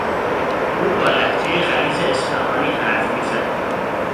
او با لهجهی غلیظ اصفهانی حرف میزد.